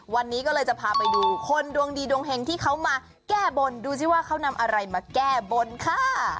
วันนี้ก็เลยจะพาไปดูคนดวงดีดวงเฮงที่เขามาแก้บนดูสิว่าเขานำอะไรมาแก้บนค่ะ